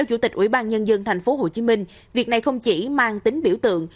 ủy ban nhân dân tp hcm việc này không chỉ mang tính biểu tượng